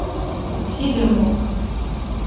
Сидыр мо?